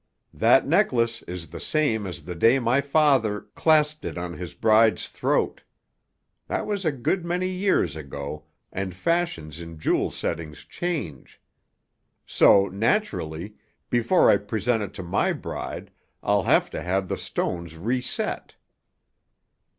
That necklace is the same as the day my father clasped it on his bride's throat. That was a good many years ago, and fashions in jewel settings change. So naturally, before I present it to my bride, I'll have to have the stones reset."